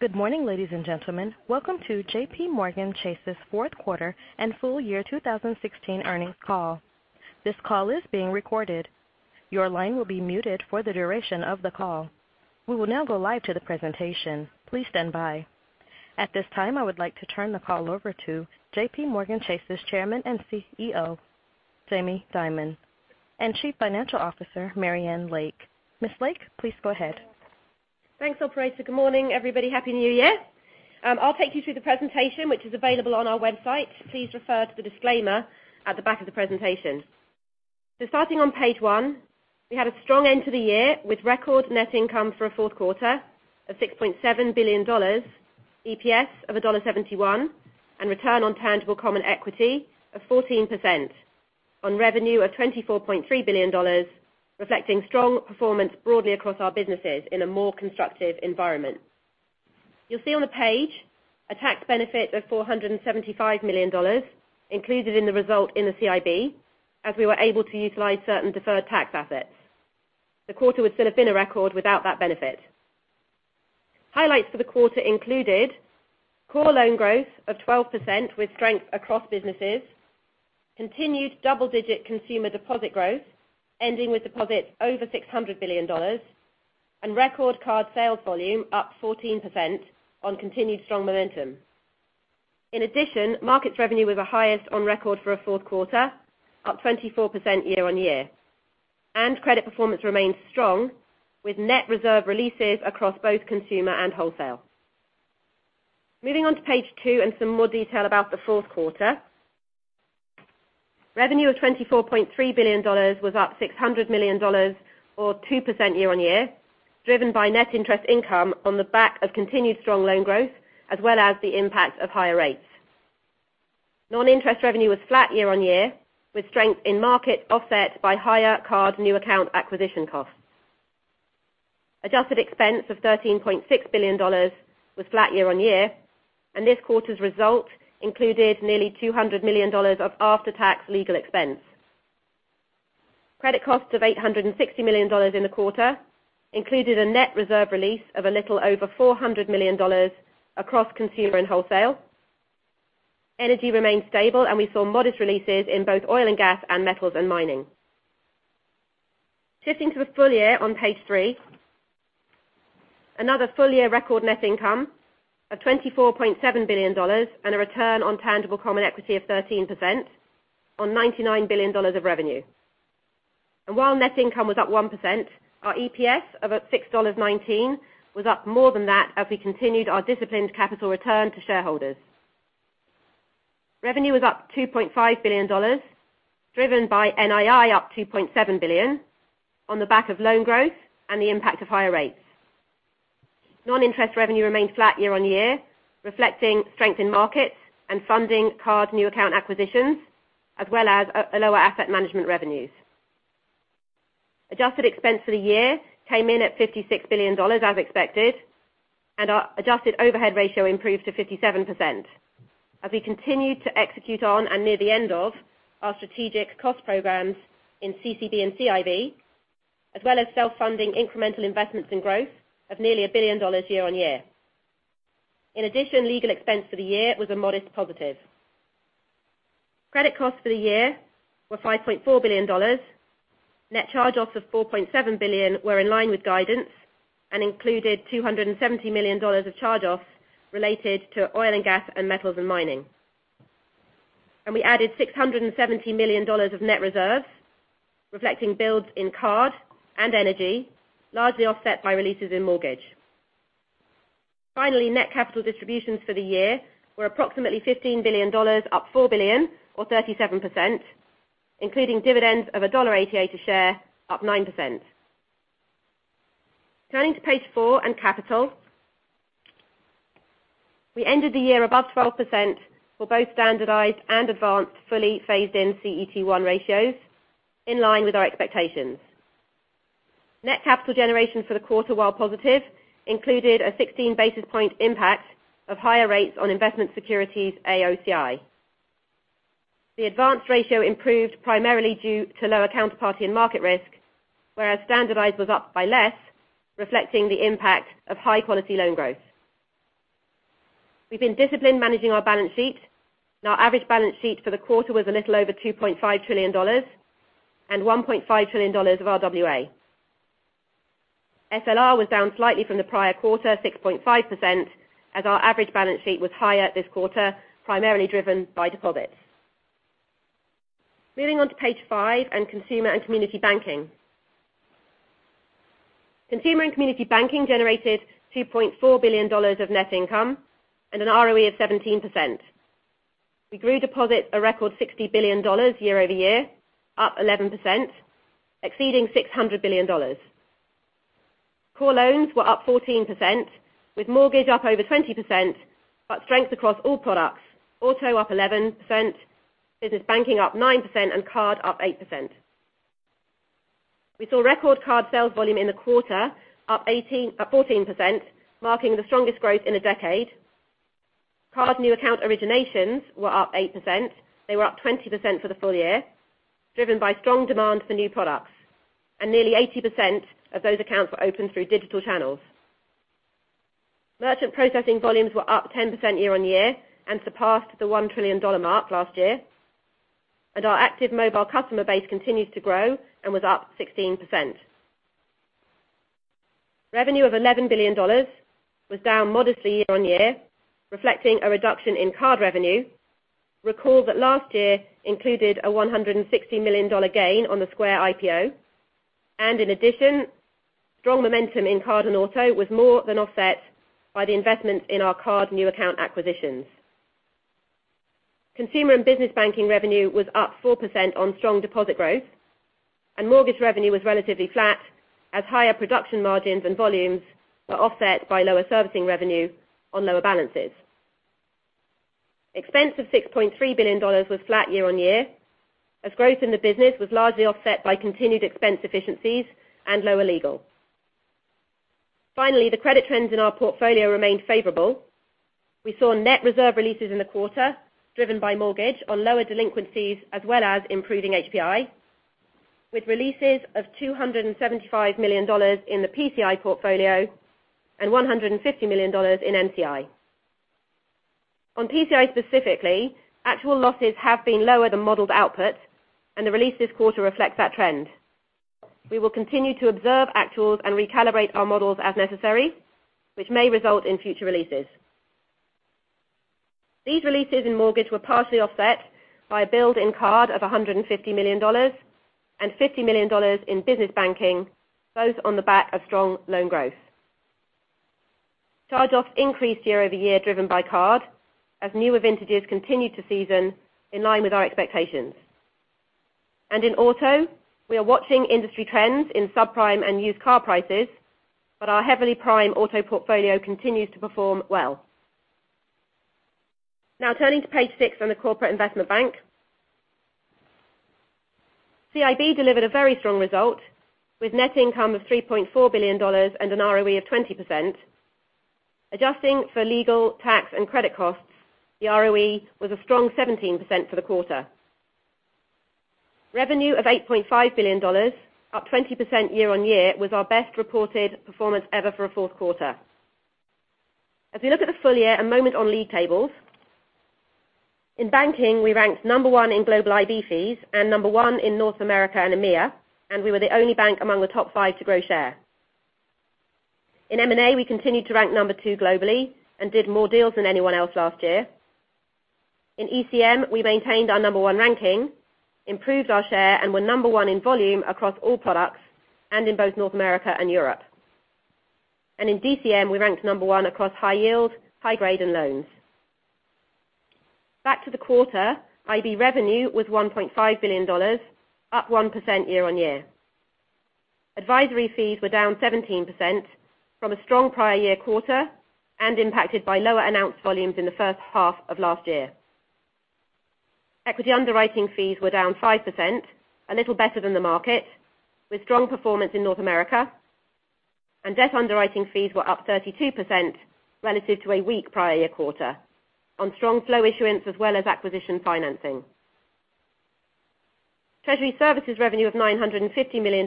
Good morning, ladies and gentlemen. Welcome to JPMorgan Chase's fourth quarter and full year 2016 earnings call. This call is being recorded. Your line will be muted for the duration of the call. We will now go live to the presentation. Please stand by. At this time, I would like to turn the call over to JPMorgan Chase's Chairman and CEO, Jamie Dimon, and Chief Financial Officer, Marianne Lake. Ms. Lake, please go ahead. Thanks, operator. Good morning, everybody. Happy New Year. I'll take you through the presentation, which is available on our website. Please refer to the disclaimer at the back of the presentation. Starting on page one, we had a strong end to the year with record net income for a fourth quarter of $6.7 billion, EPS of $1.71, and return on tangible common equity of 14%, on revenue of $24.3 billion, reflecting strong performance broadly across our businesses in a more constructive environment. You'll see on the page a tax benefit of $475 million included in the result in the CIB, as we were able to utilize certain deferred tax assets. The quarter would still have been a record without that benefit. Highlights for the quarter included core loan growth of 12% with strength across businesses, continued double-digit consumer deposit growth ending with deposits over $600 billion, and record card sales volume up 14% on continued strong momentum. In addition, markets revenue was our highest on record for a fourth quarter, up 24% year-on-year. Credit performance remains strong, with net reserve releases across both consumer and wholesale. Moving on to page two and some more detail about the fourth quarter. Revenue of $24.3 billion was up $600 million or 2% year-on-year, driven by net interest income on the back of continued strong loan growth, as well as the impact of higher rates. Non-interest revenue was flat year-on-year, with strength in market offset by higher card new account acquisition costs. Adjusted expense of $13.6 billion was flat year-on-year, and this quarter's result included nearly $200 million of after-tax legal expense. Credit costs of $860 million in the quarter included a net reserve release of a little over $400 million across consumer and wholesale. Energy remained stable, and we saw modest releases in both oil and gas and metals and mining. Shifting to the full year on page three. Another full-year record net income of $24.7 billion and a return on tangible common equity of 13% on $99 billion of revenue. While net income was up 1%, our EPS of $6.19 was up more than that as we continued our disciplined capital return to shareholders. Revenue was up $2.5 billion, driven by NII up $2.7 billion on the back of loan growth and the impact of higher rates. Non-interest revenue remained flat year-on-year, reflecting strength in markets and funding card new account acquisitions, as well as lower Asset Management revenues. Adjusted expense for the year came in at $56 billion as expected. Our adjusted overhead ratio improved to 57% as we continued to execute on and near the end of our strategic cost programs in CCB and CIB, as well as self-funding incremental investments in growth of nearly $1 billion year-over-year. In addition, legal expense for the year was a modest positive. Credit costs for the year were $5.4 billion. Net charge-offs of $4.7 billion were in line with guidance and included $270 million of charge-offs related to oil and gas and metals and mining. We added $670 million of net reserves, reflecting builds in card and energy, largely offset by releases in mortgage. Finally, net capital distributions for the year were approximately $15 billion, up $4 billion or 37%, including dividends of $1.88 a share, up 9%. Turning to page four on capital. We ended the year above 12% for both standardized and advanced fully phased-in CET1 ratios, in line with our expectations. Net capital generation for the quarter, while positive, included a 16-basis point impact of higher rates on investment securities AOCI. The advanced ratio improved primarily due to lower counterparty and market risk, whereas standardized was up by less, reflecting the impact of high-quality loan growth. We've been disciplined managing our balance sheet. Our average balance sheet for the quarter was a little over $2.5 trillion and $1.5 trillion of RWA. SLR was down slightly from the prior quarter, 6.5%, as our average balance sheet was higher this quarter, primarily driven by deposits. Moving on to page five on Consumer and Community Banking. Consumer and Community Banking generated $2.4 billion of net income and an ROE of 17%. We grew deposits a record $60 billion year-over-year, up 11%, exceeding $600 billion. Core loans were up 14%, with mortgage up over 20%, but strength across all products. Auto up 11%, business banking up 9%, and card up 8%. We saw record card sales volume in the quarter, up 14%, marking the strongest growth in a decade. Card new account originations were up 8%, they were up 20% for the full year, driven by strong demand for new products, and nearly 80% of those accounts were opened through digital channels. Merchant processing volumes were up 10% year-over-year and surpassed the $1 trillion mark last year. Our active mobile customer base continues to grow and was up 16%. Revenue of $11 billion was down modestly year-over-year, reflecting a reduction in card revenue. Recall that last year included a $160 million gain on the Square IPO. In addition, strong momentum in card and auto was more than offset by the investment in our card new account acquisitions. Consumer and business banking revenue was up 4% on strong deposit growth, and mortgage revenue was relatively flat as higher production margins and volumes were offset by lower servicing revenue on lower balances. Expense of $6.3 billion was flat year-over-year, as growth in the business was largely offset by continued expense efficiencies and lower legal. Finally, the credit trends in our portfolio remained favorable. We saw net reserve releases in the quarter, driven by mortgage on lower delinquencies, as well as improving HPI, with releases of $275 million in the PCI portfolio and $150 million in NCI. On PCI specifically, actual losses have been lower than modeled output, and the release this quarter reflects that trend. We will continue to observe actuals and recalibrate our models as necessary, which may result in future releases. These releases in mortgage were partially offset by a build in card of $150 million and $50 million in business banking, both on the back of strong loan growth. Charge-offs increased year-over-year, driven by card, as newer vintages continue to season in line with our expectations. In auto, we are watching industry trends in subprime and used car prices, but our heavily prime auto portfolio continues to perform well. Now turning to page six on the Corporate Investment Bank. CIB delivered a very strong result with net income of $3.4 billion and an ROE of 20%. Adjusting for legal, tax, and credit costs, the ROE was a strong 17% for the quarter. Revenue of $8.5 billion, up 20% year-on-year, was our best reported performance ever for a fourth quarter. As we look at the full year, a moment on league tables. In banking, we ranked number one in global IB fees and number one in North America and EMEA, and we were the only bank among the top five to grow share. In M&A, we continued to rank number two globally and did more deals than anyone else last year. In ECM, we maintained our number one ranking, improved our share, and were number one in volume across all products and in both North America and Europe. In DCM, we ranked number one across high yield, high grade, and loans. Back to the quarter, IB revenue was $1.5 billion, up 1% year-on-year. Advisory fees were down 17% from a strong prior year quarter and impacted by lower announced volumes in the first half of last year. Equity underwriting fees were down 5%, a little better than the market, with strong performance in North America. Debt underwriting fees were up 32% relative to a weak prior year quarter on strong flow issuance as well as acquisition financing. Treasury services revenue of $950 million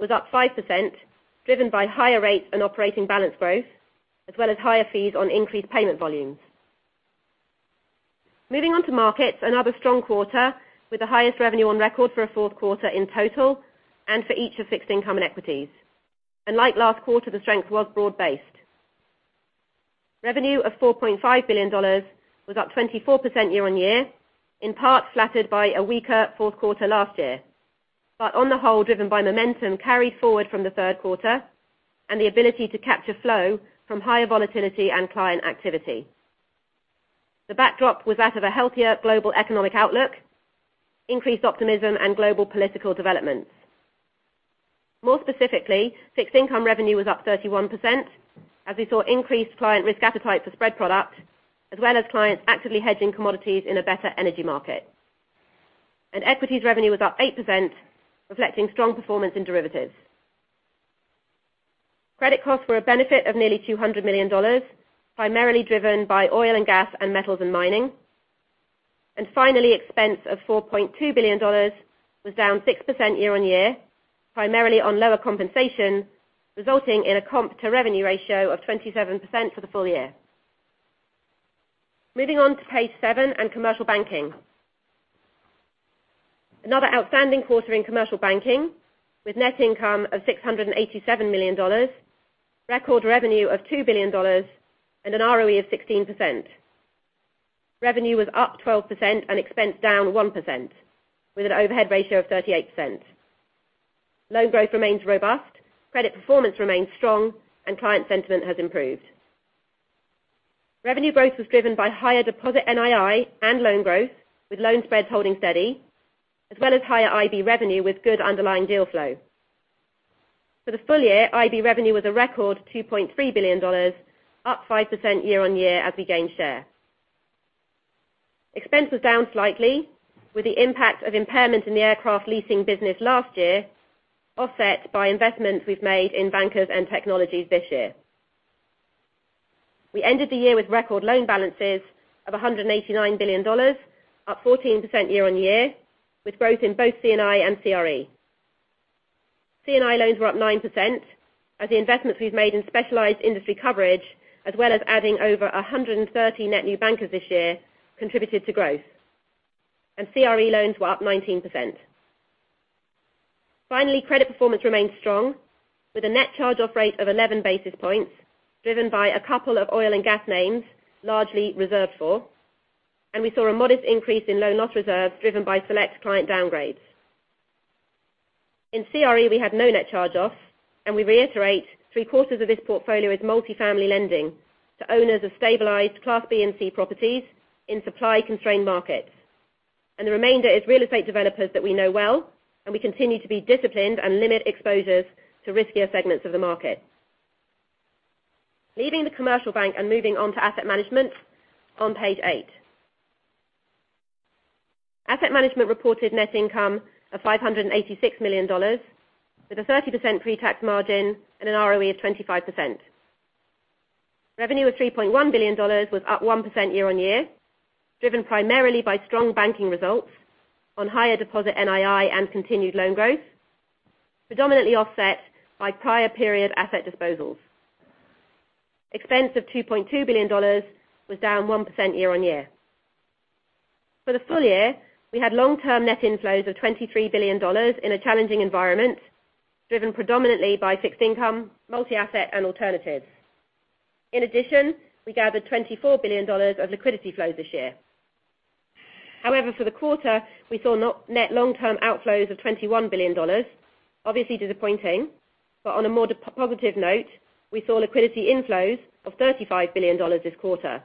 was up 5%, driven by higher rates and operating balance growth, as well as higher fees on increased payment volumes. Moving on to markets, another strong quarter with the highest revenue on record for a fourth quarter in total and for each of fixed income and equities. Like last quarter, the strength was broad-based. Revenue of $4.5 billion was up 24% year-on-year, in part flattered by a weaker fourth quarter last year. On the whole, driven by momentum carried forward from the third quarter and the ability to capture flow from higher volatility and client activity. The backdrop was that of a healthier global economic outlook, increased optimism, and global political developments. More specifically, fixed income revenue was up 31% as we saw increased client risk appetite for spread product, as well as clients actively hedging commodities in a better energy market. Equities revenue was up 8%, reflecting strong performance in derivatives. Credit costs were a benefit of nearly $200 million, primarily driven by oil and gas and metals and mining. Finally, expense of $4.2 billion was down 6% year-on-year, primarily on lower compensation, resulting in a comp-to-revenue ratio of 27% for the full year. Moving on to page seven and commercial banking. Another outstanding quarter in commercial banking, with net income of $687 million, record revenue of $2 billion, and an ROE of 16%. Revenue was up 12% and expense down 1%, with an overhead ratio of 38%. Loan growth remains robust, credit performance remains strong, and client sentiment has improved. Revenue growth was driven by higher deposit NII and loan growth, with loan spreads holding steady, as well as higher IB revenue with good underlying deal flow. For the full year, IB revenue was a record $2.3 billion, up 5% year-on-year as we gained share. Expense was down slightly with the impact of impairment in the aircraft leasing business last year, offset by investments we've made in bankers and technologies this year. We ended the year with record loan balances of $189 billion, up 14% year-on-year, with growth in both C&I and CRE. C&I loans were up 9% as the investments we've made in specialized industry coverage, as well as adding over 130 net new bankers this year, contributed to growth. CRE loans were up 19%. Finally, credit performance remained strong, with a net charge-off rate of 11 basis points, driven by a couple of oil and gas names, largely reserved for. We saw a modest increase in loan loss reserves, driven by select client downgrades. In CRE, we had no net charge-offs, and we reiterate three-quarters of this portfolio is multi-family lending to owners of stabilized Class B and Class C properties in supply-constrained markets. The remainder is real estate developers that we know well, and we continue to be disciplined and limit exposures to riskier segments of the market. Leaving the commercial bank and moving on to Asset Management on page eight. Asset Management reported net income of $586 million, with a 30% pretax margin and an ROE of 25%. Revenue of $3.1 billion was up 1% year-on-year, driven primarily by strong banking results on higher deposit NII and continued loan growth, predominantly offset by prior period asset disposals. Expense of $2.2 billion was down 1% year-on-year. For the full year, we had long-term net inflows of $23 billion in a challenging environment, driven predominantly by fixed income, multi-asset, and alternatives. In addition, we gathered $24 billion of liquidity flows this year. However, for the quarter, we saw net long-term outflows of $21 billion. Obviously disappointing, on a more positive note, we saw liquidity inflows of $35 billion this quarter,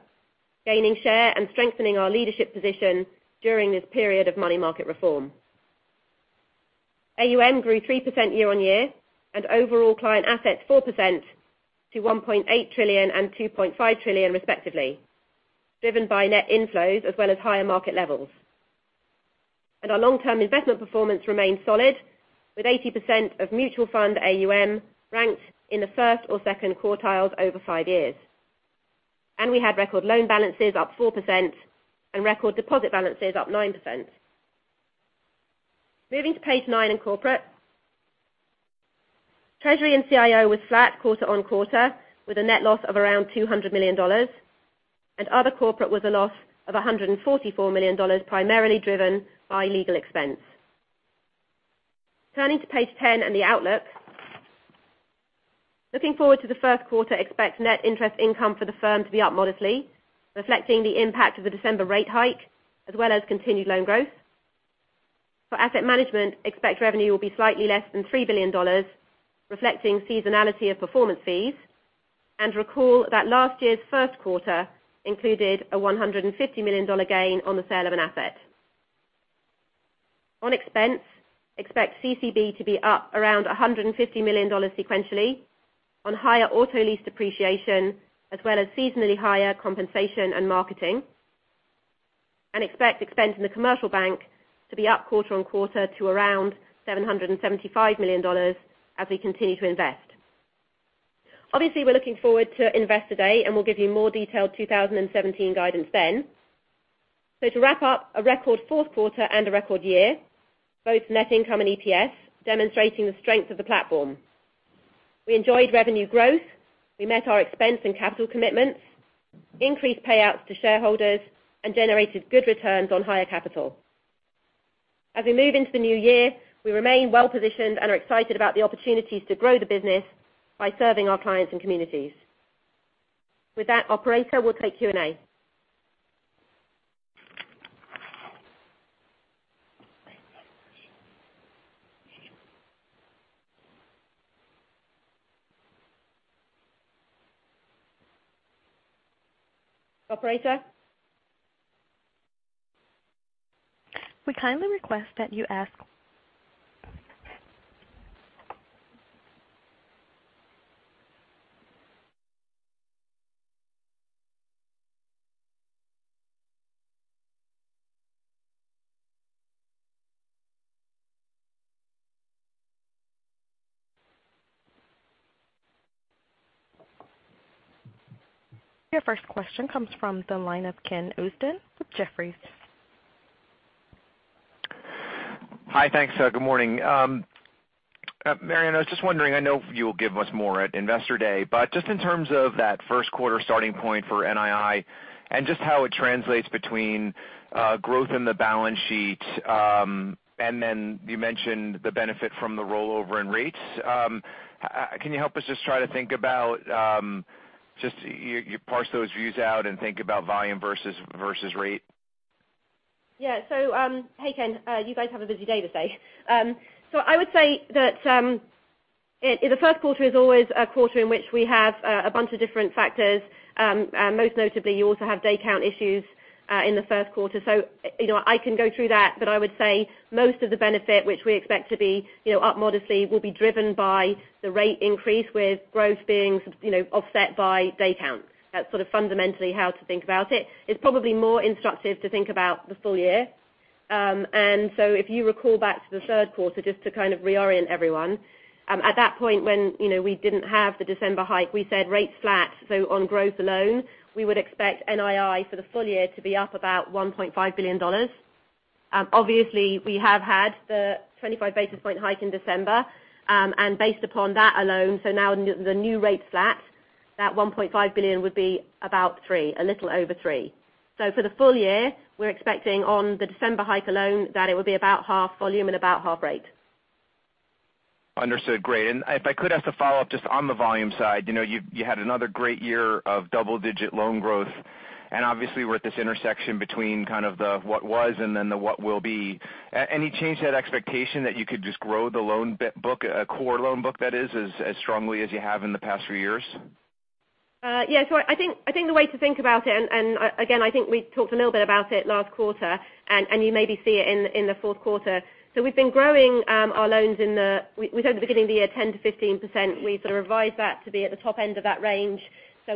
gaining share and strengthening our leadership position during this period of money market reform. AUM grew 3% year-on-year, and overall client assets 4% to $1.8 trillion and $2.5 trillion respectively, driven by net inflows as well as higher market levels. Our long-term investment performance remained solid, with 80% of mutual fund AUM ranked in the first or second quartiles over five years. We had record loan balances up 4% and record deposit balances up 9%. Moving to page nine in corporate. Treasury and CIO was flat quarter-on-quarter, with a net loss of around $200 million. Other corporate was a loss of $144 million, primarily driven by legal expense. Turning to page 10 and the outlook. Looking forward to the first quarter, expect net interest income for the firm to be up modestly, reflecting the impact of the December rate hike, as well as continued loan growth. For Asset Management, expect revenue will be slightly less than $3 billion, reflecting seasonality of performance fees. Recall that last year's first quarter included a $150 million gain on the sale of an asset. On expense, expect CCB to be up around $150 million sequentially on higher auto lease depreciation, as well as seasonally higher compensation and marketing. Expect expense in the commercial bank to be up quarter-on-quarter to around $775 million as we continue to invest. Obviously, we're looking forward to Investor Day, and we'll give you more detailed 2017 guidance then. To wrap up, a record fourth quarter and a record year, both net income and EPS, demonstrating the strength of the platform. We enjoyed revenue growth. We met our expense and capital commitments, increased payouts to shareholders, and generated good returns on higher capital. As we move into the new year, we remain well-positioned and are excited about the opportunities to grow the business by serving our clients and communities. With that, operator, we'll take Q&A. Operator? Your first question comes from the line of Ken Usdin with Jefferies. Hi. Thanks. Good morning. Marianne, I was just wondering, I know you will give us more at Investor Day, but just in terms of that first quarter starting point for NII and just how it translates between growth in the balance sheet and then you mentioned the benefit from the rollover in rates. Can you help us just try to think about, just you parse those views out and think about volume versus rate? Yeah. Hey, Ken. You guys have a busy day today. I would say that the first quarter is always a quarter in which we have a bunch of different factors. Most notably, you also have day count issues in the first quarter. I can go through that, but I would say most of the benefit, which we expect to be up modestly, will be driven by the rate increase with growth being offset by day count. That's sort of fundamentally how to think about it. It's probably more instructive to think about the full year. If you recall back to the third quarter, just to reorient everyone, at that point when we didn't have the December hike, we said rates flat. On growth alone, we would expect NII for the full year to be up about $1.5 billion. Obviously, we have had the 25 basis point hike in December, based upon that alone, now the new rate's flat, that $1.5 billion would be about $3, a little over $3. For the full year, we're expecting on the December hike alone that it would be about half volume and about half rate. Understood. Great. If I could ask a follow-up just on the volume side. You had another great year of double-digit loan growth, obviously we're at this intersection between kind of the what was and then the what will be. Any change to that expectation that you could just grow the loan book, core loan book that is, as strongly as you have in the past few years? Yeah. I think the way to think about it, again, I think we talked a little bit about it last quarter, and you maybe see it in the fourth quarter. We said at the beginning of the year 10%-15%. We sort of revised that to be at the top end of that range.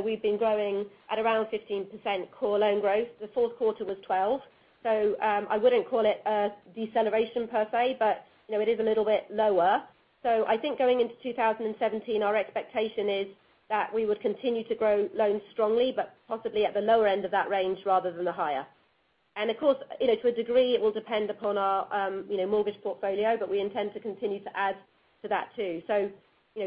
We've been growing at around 15% core loan growth. The fourth quarter was 12%. I wouldn't call it a deceleration per se, but it is a little bit lower. I think going into 2017, our expectation is that we would continue to grow loans strongly, but possibly at the lower end of that range rather than the higher. Of course, to a degree, it will depend upon our mortgage portfolio, but we intend to continue to add to that too.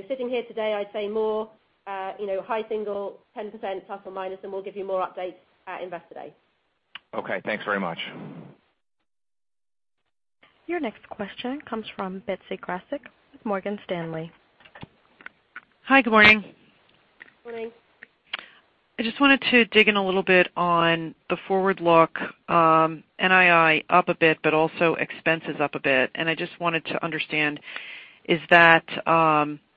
sitting here today, I'd say more high single 10% ±, and we'll give you more updates at Investor Day. Okay, thanks very much. Your next question comes from Betsy Graseck with Morgan Stanley. Hi, good morning. Morning. I just wanted to dig in a little bit on the forward look. NII up a bit, but also expenses up a bit. I just wanted to understand, is that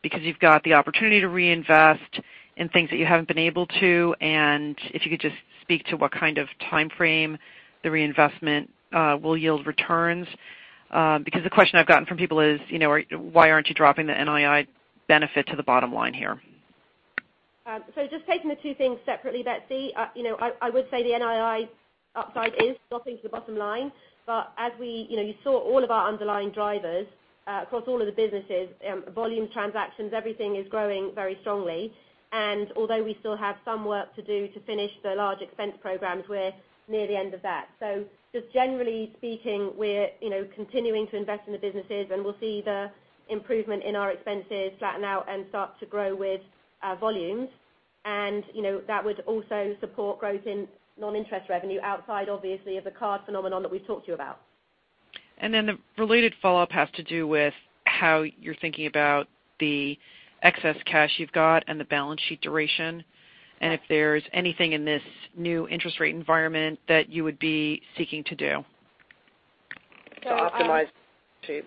because you've got the opportunity to reinvest in things that you haven't been able to, and if you could just speak to what kind of timeframe the reinvestment will yield returns. The question I've gotten from people is, why aren't you dropping the NII benefit to the bottom line here? Just taking the two things separately, Betsy. I would say the NII upside is dropping to the bottom line, but as you saw all of our underlying drivers across all of the businesses, volume, transactions, everything is growing very strongly. Although we still have some work to do to finish the large expense programs, we're near the end of that. Just generally speaking, we're continuing to invest in the businesses, and we'll see the improvement in our expenses flatten out and start to grow with volumes. That would also support growth in non-interest revenue outside, obviously, of the card phenomenon that we've talked to you about. The related follow-up has to do with how you're thinking about the excess cash you've got and the balance sheet duration, and if there's anything in this new interest rate environment that you would be seeking to do. So I- To optimize sheet.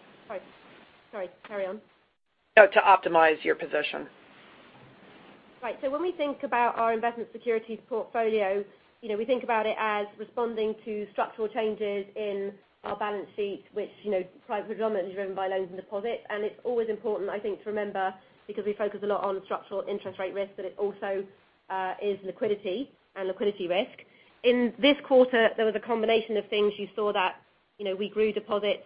Sorry. Carry on. To optimize your position. Right. When we think about our investment securities portfolio, we think about it as responding to structural changes in our balance sheet, which predominantly is driven by loans and deposits. It's always important, I think, to remember, because we focus a lot on structural interest rate risk, that it also is liquidity and liquidity risk. In this quarter, there was a combination of things. You saw that we grew deposits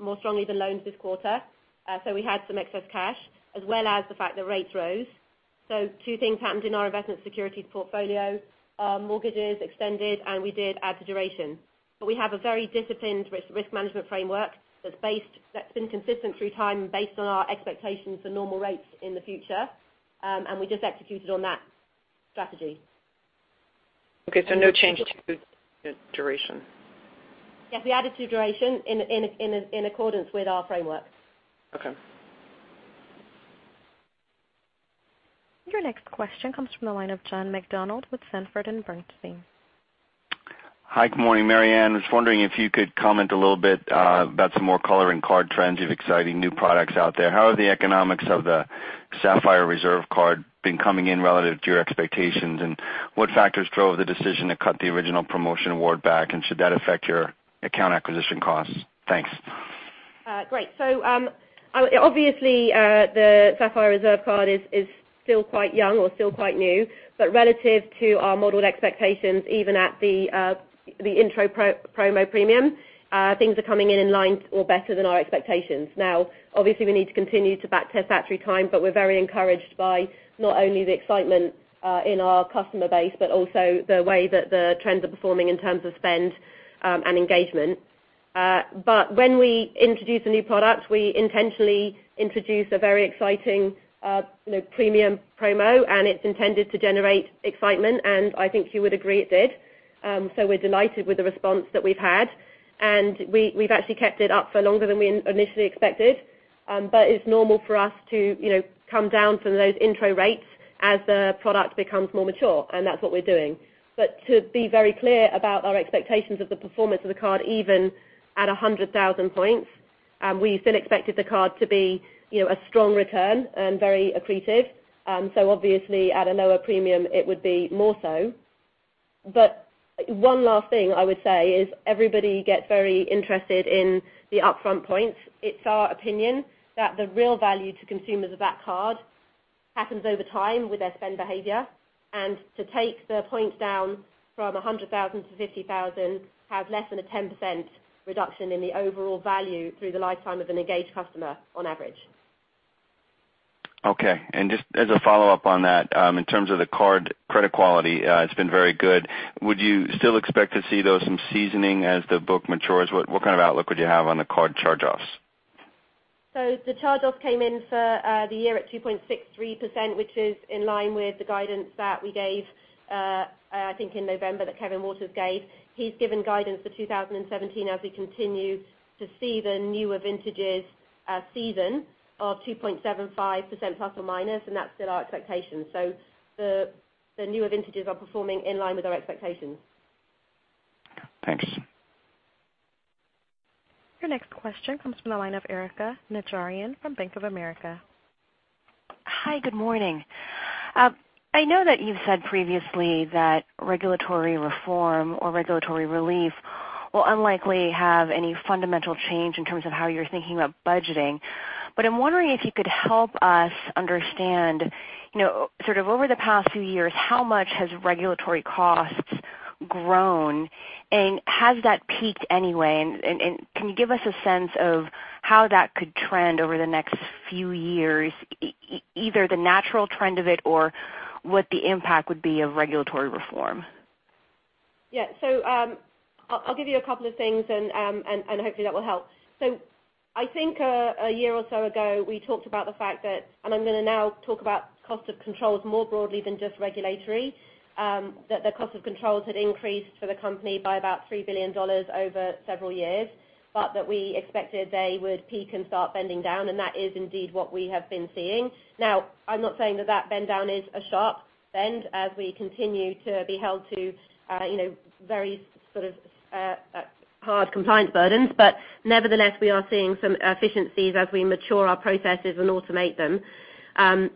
more strongly than loans this quarter. We had some excess cash as well as the fact that rates rose. Two things happened in our investment securities portfolio. Mortgages extended, and we did add to duration. We have a very disciplined risk management framework that's been consistent through time based on our expectations for normal rates in the future, and we just executed on that strategy. Okay, no change to the duration? Yes, we added to duration in accordance with our framework. Okay. Your next question comes from the line of John McDonald with Sanford C. Bernstein. Hi, good morning, Marianne. I was wondering if you could comment a little bit about some more color and card trends. You have exciting new products out there. How are the economics of the Sapphire Reserve card been coming in relative to your expectations, and what factors drove the decision to cut the original promotion award back, and should that affect your account acquisition costs? Thanks. Great. Obviously, the Sapphire Reserve card is still quite young or still quite new, but relative to our modeled expectations, even at the intro promo premium, things are coming in in line or better than our expectations. Obviously, we need to continue to back test that through time, but we're very encouraged by not only the excitement in our customer base, but also the way that the trends are performing in terms of spend and engagement. When we introduce a new product, we intentionally introduce a very exciting premium promo, and it's intended to generate excitement, and I think you would agree it did. We're delighted with the response that we've had. We've actually kept it up for longer than we initially expected. It's normal for us to come down from those intro rates as the product becomes more mature, and that's what we're doing. To be very clear about our expectations of the performance of the card, even at 100,000 points, we still expected the card to be a strong return and very accretive. Obviously at a lower premium it would be more so. One last thing I would say is everybody gets very interested in the upfront points. It's our opinion that the real value to consumers of that card happens over time with their spend behavior. To take the points down from 100,000 to 50,000 has less than a 10% reduction in the overall value through the lifetime of an engaged customer on average. Okay. Just as a follow-up on that, in terms of the card credit quality, it's been very good. Would you still expect to see, though, some seasoning as the book matures? What kind of outlook would you have on the card charge-offs? The charge-offs came in for the year at 2.63%, which is in line with the guidance that we gave, I think, in November, that Kevin Watters gave. He's given guidance for 2017 as we continue to see the newer vintages season of 2.75% ±, that's still our expectation. The newer vintages are performing in line with our expectations. Thanks. Your next question comes from the line of Erika Najarian from Bank of America. Hi, good morning. I know that you've said previously that regulatory reform or regulatory relief will unlikely have any fundamental change in terms of how you're thinking about budgeting. I'm wondering if you could help us understand, sort of over the past few years, how much has regulatory costs grown, and has that peaked anyway? Can you give us a sense of how that could trend over the next few years, either the natural trend of it or what the impact would be of regulatory reform? Yeah. I'll give you a couple of things, and hopefully that will help. I think a year or so ago, we talked about the fact that, and I'm going to now talk about cost of controls more broadly than just regulatory, that the cost of controls had increased for the company by about $3 billion over several years. That we expected they would peak and start bending down, and that is indeed what we have been seeing. Now, I'm not saying that bend down is a sharp bend as we continue to be held to very sort of hard compliance burdens. Nevertheless, we are seeing some efficiencies as we mature our processes and automate them.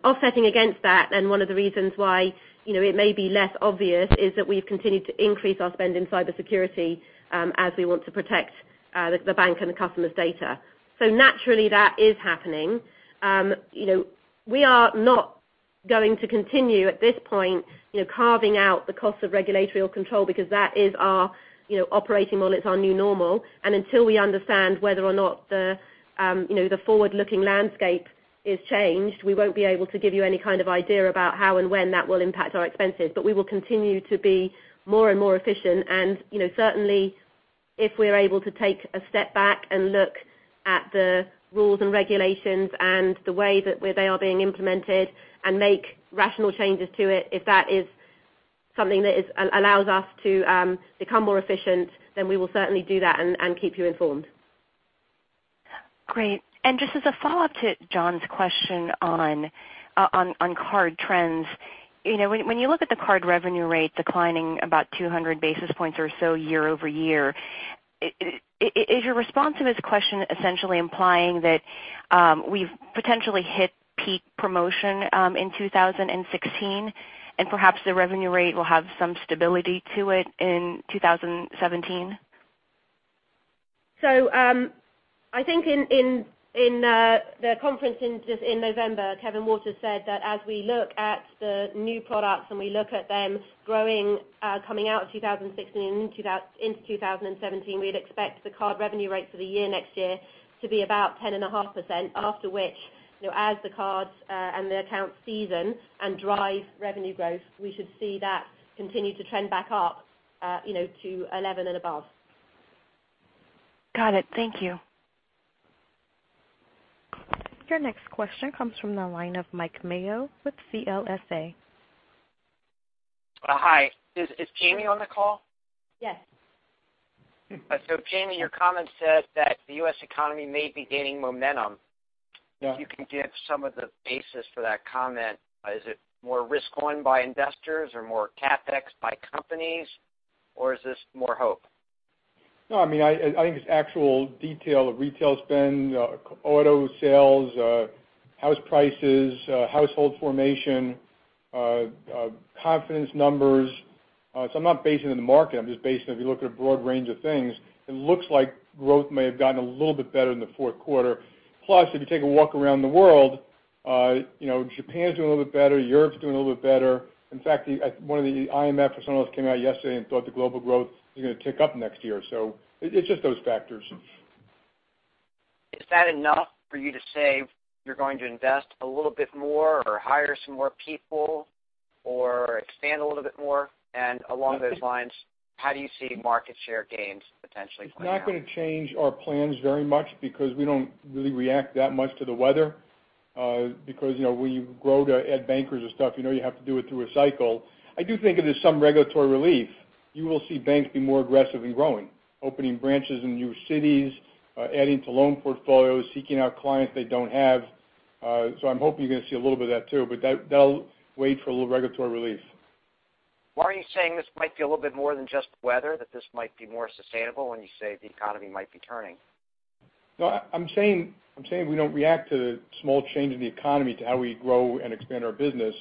Offsetting against that, one of the reasons why it may be less obvious is that we've continued to increase our spend in cybersecurity as we want to protect the bank and the customers' data. Naturally that is happening. We are not going to continue, at this point, carving out the cost of regulatory or control because that is our operating model. It's our new normal. Until we understand whether or not the forward-looking landscape is changed, we won't be able to give you any kind of idea about how and when that will impact our expenses. We will continue to be more and more efficient and certainly, if we're able to take a step back and look at the rules and regulations and the way that they are being implemented and make rational changes to it, if that is something that allows us to become more efficient, then we will certainly do that and keep you informed. Great. Just as a follow-up to John's question on card trends. When you look at the card revenue rate declining about 200 basis points or so year-over-year, is your response to his question essentially implying that we've potentially hit peak promotion in 2016 and perhaps the revenue rate will have some stability to it in 2017? I think in the conference in November, Kevin Watters said that as we look at the new products and we look at them growing coming out of 2016 into 2017, we'd expect the card revenue rates for the year next year to be about 10.5%, after which, as the cards and the accounts season and drive revenue growth, we should see that continue to trend back up to 11% and above. Got it. Thank you. Your next question comes from the line of Mike Mayo with CLSA. Hi. Is Jamie on the call? Yes. Jamie, your comment said that the U.S. economy may be gaining momentum. Yeah. If you can give some of the basis for that comment. Is it more risk on by investors or more CapEx by companies or is this more hope? I think it's actual detail of retail spend, auto sales, house prices, household formation, confidence numbers. I'm not basing it in the market. I'm just basing if you look at a broad range of things, it looks like growth may have gotten a little bit better in the fourth quarter. If you take a walk around the world, Japan's doing a little bit better. Europe's doing a little bit better. In fact, one of the IMF or some of those came out yesterday and thought the global growth is going to tick up next year. It's just those factors. Is that enough for you to say you're going to invest a little bit more or hire some more people or expand a little bit more? Along those lines, how do you see market share gains potentially playing out? It's not going to change our plans very much because we don't really react that much to the weather. When you grow to add bankers and stuff, you know you have to do it through a cycle. I do think if there's some regulatory relief, you will see banks be more aggressive in growing, opening branches in new cities, adding to loan portfolios, seeking out clients they don't have. I'm hoping you're going to see a little bit of that too, but that'll wait for a little regulatory relief. Why are you saying this might be a little bit more than just the weather, that this might be more sustainable when you say the economy might be turning? No, I'm saying we don't react to the small change in the economy to how we grow and expand our business.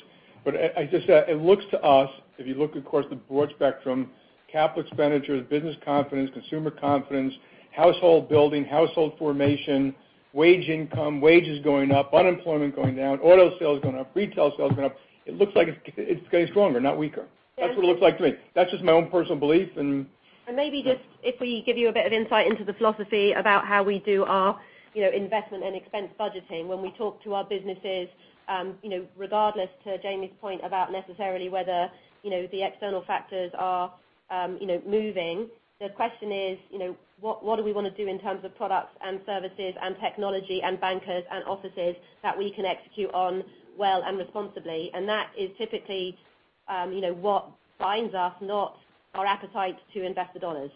It looks to us, if you look across the broad spectrum, capital expenditures, business confidence, consumer confidence, household building, household formation, wage income, wages going up, unemployment going down, auto sales going up, retail sales going up. It looks like it's getting stronger, not weaker. That's what it looks like to me. That's just my own personal belief. Maybe just, if we give you a bit of insight into the philosophy about how we do our investment and expense budgeting. When we talk to our businesses, regardless to Jamie's point about necessarily whether the external factors are moving, the question is, what do we want to do in terms of products and services and technology and bankers and offices that we can execute on well and responsibly? That is typically what binds us, not our appetite to invest the dollars.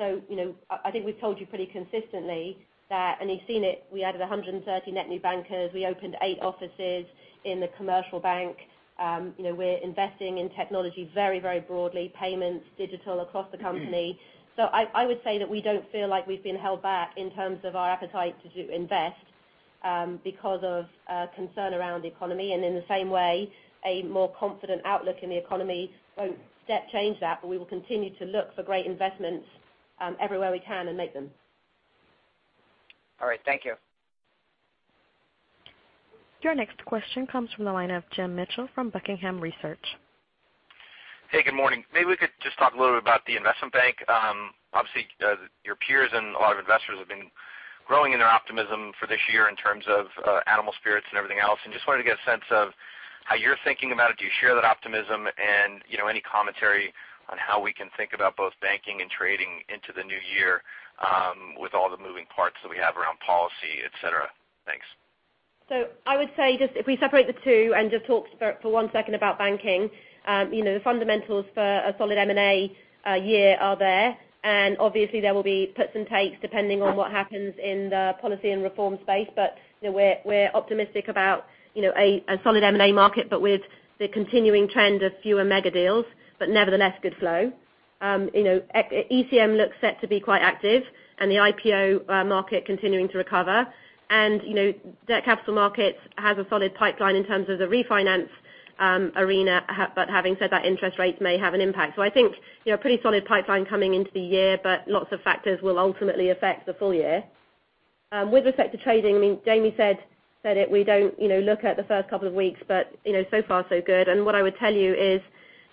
I think we've told you pretty consistently that, and you've seen it, we added 130 net new bankers. We opened eight offices in the commercial bank. We're investing in technology very broadly, payments, digital, across the company. I would say that we don't feel like we've been held back in terms of our appetite to invest because of concern around the economy. In the same way, a more confident outlook in the economy won't change that. We will continue to look for great investments everywhere we can and make them. All right. Thank you. Your next question comes from the line of Jim Mitchell from Buckingham Research. Hey, good morning. Maybe we could just talk a little bit about the investment bank. Obviously, your peers and a lot of investors have been growing in their optimism for this year in terms of animal spirits and everything else. Just wanted to get a sense of how you're thinking about it. Do you share that optimism? Any commentary on how we can think about both banking and trading into the new year with all the moving parts that we have around policy, et cetera. Thanks. I would say, if we separate the two and just talk for one second about banking. The fundamentals for a solid M&A year are there, and obviously there will be puts and takes depending on what happens in the policy and reform space. We're optimistic about a solid M&A market, but with the continuing trend of fewer mega deals, but nevertheless, good flow. ECM looks set to be quite active, and the IPO market continuing to recover. Debt capital markets has a solid pipeline in terms of the refinance arena, but having said that, interest rates may have an impact. I think a pretty solid pipeline coming into the year, but lots of factors will ultimately affect the full year. With respect to trading, Jamie said it, we don't look at the first couple of weeks, but so far so good. What I would tell you is,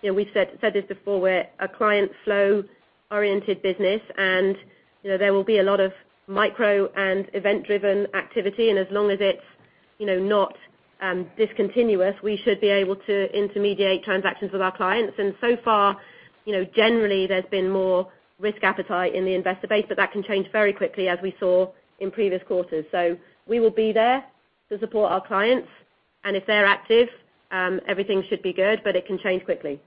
we said this before, we're a client flow-oriented business, and there will be a lot of micro and event-driven activity. As long as it's not discontinuous, we should be able to intermediate transactions with our clients. So far, generally there's been more risk appetite in the investor base, but that can change very quickly as we saw in previous quarters. We will be there to support our clients, and if they're active, everything should be good, but it can change quickly.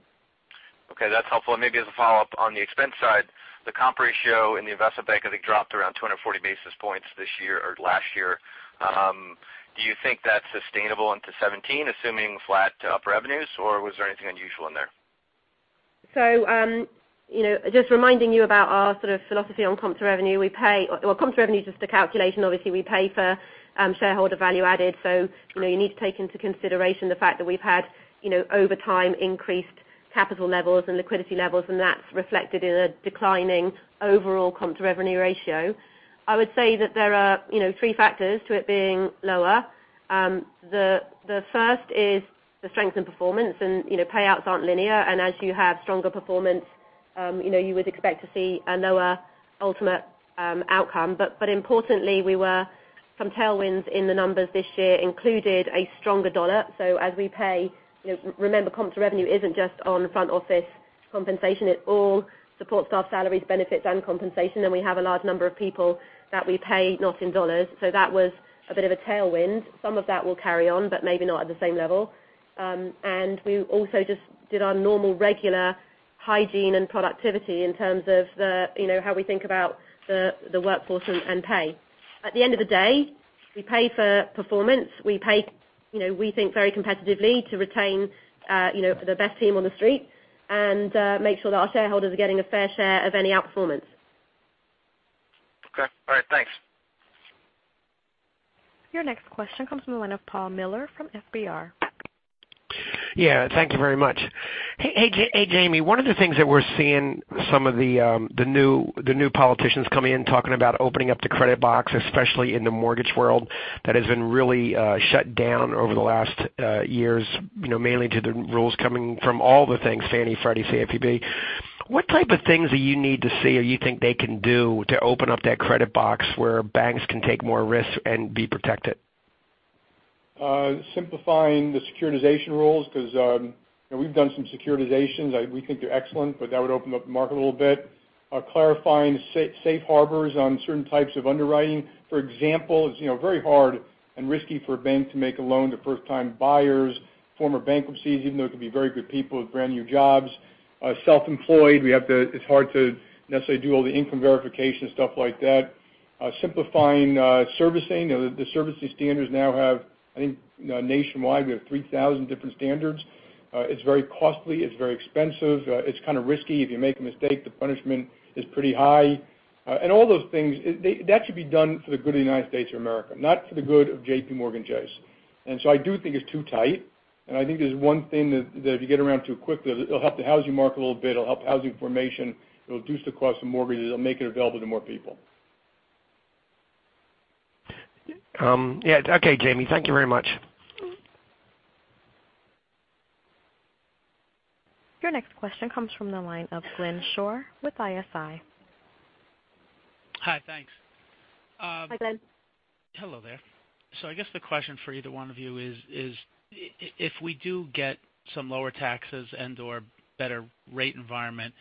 Okay, that's helpful. Maybe as a follow-up on the expense side, the comp ratio in the investment bank, I think, dropped around 240 basis points this year or last year. Do you think that's sustainable into 2017, assuming flat to up revenues, or was there anything unusual in there? Just reminding you about our sort of philosophy on comp to revenue. Comp to revenue is just a calculation. Obviously, we pay for shareholder value added. You need to take into consideration the fact that we've had over time increased capital levels and liquidity levels, and that's reflected in a declining overall comp to revenue ratio. I would say that there are three factors to it being lower. The first is the strength in performance, and payouts aren't linear. As you have stronger performance, you would expect to see a lower ultimate outcome. Importantly, we were from tailwinds in the numbers this year, included a stronger dollar. As we pay, remember, comp to revenue isn't just on front office compensation. It all supports our salaries, benefits, and compensation. We have a large number of people that we pay not in dollars. That was a bit of a tailwind. Some of that will carry on, but maybe not at the same level. We also just did our normal, regular hygiene and productivity in terms of how we think about the workforce and pay. At the end of the day, we pay for performance. We pay, we think very competitively to retain the best team on the street, and make sure that our shareholders are getting a fair share of any outperformance. Okay. All right. Thanks. Your next question comes from the line of Paul Miller from FBR. Yeah, thank you very much. Hey, Jamie. One of the things that we're seeing some of the new politicians come in talking about opening up the credit box, especially in the mortgage world, that has been really shut down over the last years, mainly to the rules coming from all the things Fannie, Freddie, CFPB. What type of things do you need to see or you think they can do to open up that credit box where banks can take more risks and be protected? Simplifying the securitization rules, because we've done some securitizations. We think they're excellent, but that would open up the market a little bit. Clarifying safe harbors on certain types of underwriting. For example, it's very hard and risky for a bank to make a loan to first-time buyers, former bankruptcies, even though it could be very good people with brand-new jobs. Self-employed, it's hard to necessarily do all the income verification stuff like that. Simplifying servicing. The servicing standards now have, I think nationwide, we have 3,000 different standards. It's very costly, it's very expensive. It's kind of risky. If you make a mistake, the punishment is pretty high. All those things, that should be done for the good of the United States of America, not for the good of JPMorgan Chase. I do think it's too tight, and I think there's one thing that if you get around too quickly, it'll help the housing market a little bit, it'll help housing formation, it'll reduce the cost of mortgages, it'll make it available to more people. Yeah. Okay, Jamie. Thank you very much. Your next question comes from the line of Glenn Schorr with ISI. Hi. Thanks. Hi, Glenn. Hello there. I guess the question for either one of you is, if we do get some lower taxes and/or better rate environment,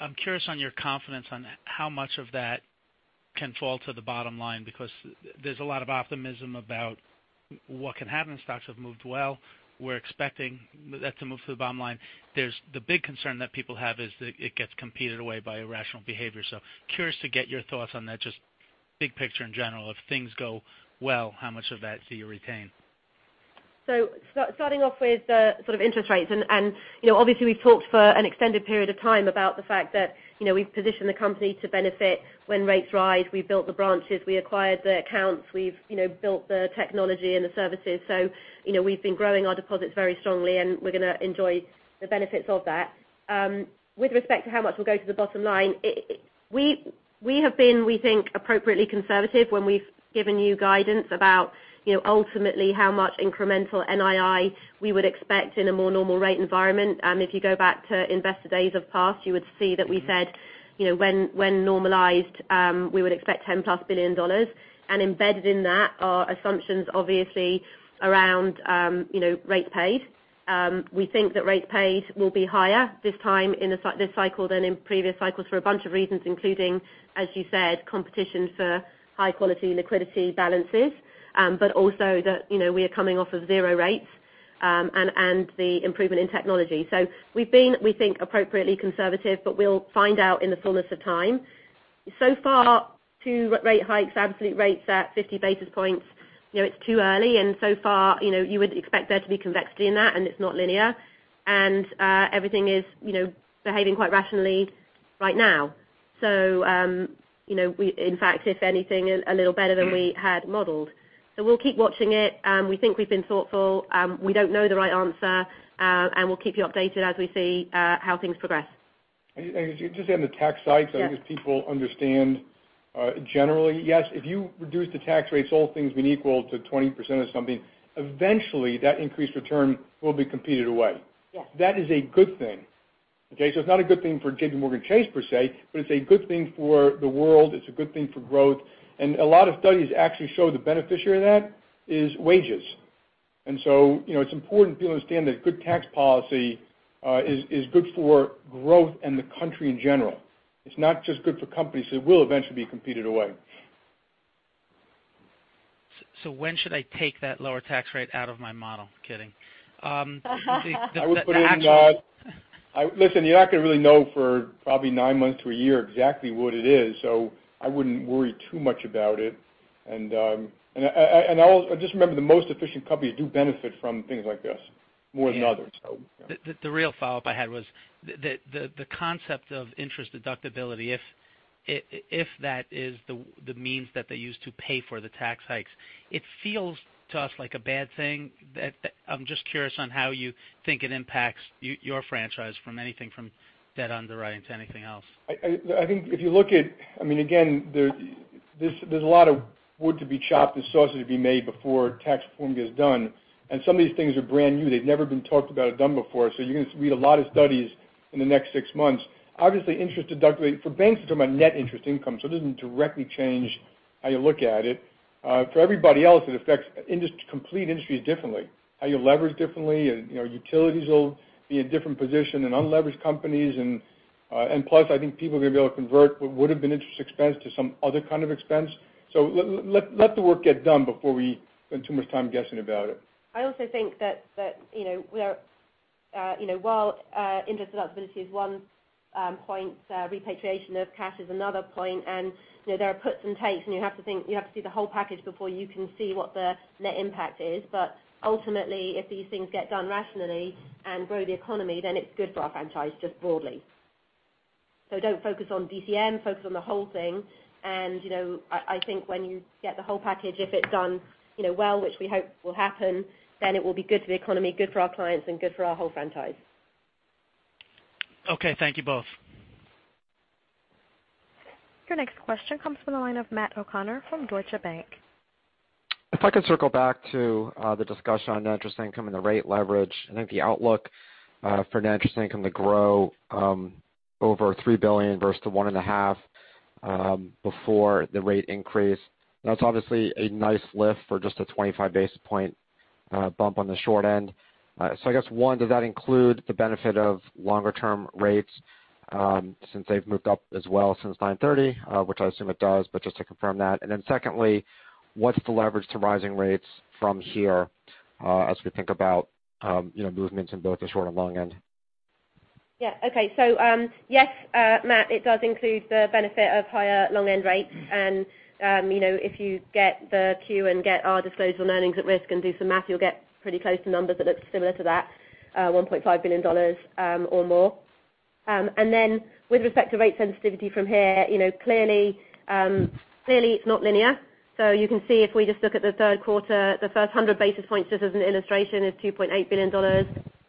I'm curious on your confidence on how much of that can fall to the bottom line, because there's a lot of optimism about what can happen. Stocks have moved well. We're expecting that to move to the bottom line. The big concern that people have is that it gets competed away by irrational behavior. Curious to get your thoughts on that, just big picture in general, if things go well, how much of that do you retain? Starting off with the interest rates, obviously we've talked for an extended period of time about the fact that we've positioned the company to benefit when rates rise. We built the branches, we acquired the accounts, we've built the technology and the services. We've been growing our deposits very strongly, and we're going to enjoy the benefits of that. With respect to how much will go to the bottom line, we have been, we think, appropriately conservative when we've given you guidance about ultimately how much incremental NII we would expect in a more normal rate environment. If you go back to investor days of past, you would see that we said when normalized, we would expect $10-plus billion. Embedded in that are assumptions obviously around rate paid. We think that rate paid will be higher this time in this cycle than in previous cycles for a bunch of reasons, including, as you said, competition for high-quality liquidity balances. Also that we are coming off of zero rates, and the improvement in technology. We've been, we think, appropriately conservative, but we'll find out in the fullness of time. So far, two rate hikes, absolute rates at 50 basis points. It's too early, and so far, you would expect there to be convexity in that, and it's not linear. Everything is behaving quite rationally right now. In fact, if anything, a little better than we had modeled. We'll keep watching it. We think we've been thoughtful. We don't know the right answer, and we'll keep you updated as we see how things progress. Just on the tax side- Yes I guess people understand, generally, yes, if you reduce the tax rates, all things being equal to 20% or something, eventually that increased return will be competed away. Yeah. That is a good thing. Okay? It's not a good thing for JPMorgan Chase per se, but it's a good thing for the world. It's a good thing for growth. A lot of studies actually show the beneficiary of that is wages. It's important for you to understand that good tax policy is good for growth and the country in general. It's not just good for companies. It will eventually be competed away. When should I take that lower tax rate out of my model? Kidding. Listen, you're not going to really know for probably nine months to a year exactly what it is, I wouldn't worry too much about it. Just remember, the most efficient companies do benefit from things like this more than others. The real follow-up I had was the concept of interest deductibility. If that is the means that they use to pay for the tax hikes, it feels to us like a bad thing. I'm just curious on how you think it impacts your franchise from anything from debt underwriting to anything else? I think if you look at, again, there's a lot of wood to be chopped and sausage to be made before tax reform gets done. Some of these things are brand new. They've never been talked about or done before. You're going to read a lot of studies in the next six months. Obviously, interest deductibility for banks, it's about net interest income, so it doesn't directly change how you look at it. For everybody else, it affects complete industries differently. How you leverage differently, and utilities will be in a different position than unleveraged companies. Plus, I think people are going to be able to convert what would've been interest expense to some other kind of expense. Let the work get done before we spend too much time guessing about it. I also think that while interest deductibility is one point, repatriation of cash is another point, and there are puts and takes, and you have to see the whole package before you can see what the net impact is. Ultimately, if these things get done rationally and grow the economy, then it's good for our franchise just broadly. Don't focus on DCM, focus on the whole thing. I think when you get the whole package, if it's done well, which we hope will happen, then it will be good for the economy, good for our clients, and good for our whole franchise. Okay. Thank you both. Your next question comes from the line of Matt O'Connor from Deutsche Bank. If I could circle back to the discussion on net interest income and the rate leverage. I think the outlook for net interest income to grow over $3 billion versus the $1.5 before the rate increase. That's obviously a nice lift for just a 25 basis point bump on the short end. I guess, one, does that include the benefit of longer-term rates since they've moved up as well since 9/30? Which I assume it does, but just to confirm that. Secondly, what's the leverage to rising rates from here as we think about movements in both the short and long end? Yeah. Okay. Yes, Matt, it does include the benefit of higher long-end rates, and if you get the 10-Q and get our disclosed earnings at risk and do some math, you'll get pretty close to numbers that look similar to that, $1.5 billion or more. With respect to rate sensitivity from here, clearly it's not linear. You can see if we just look at the third quarter, the first 100 basis points just as an illustration is $2.8 billion.